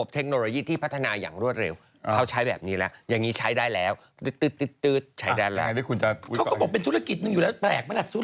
ทำให้พนักงานธนาคารถูกกระทบกระเทือน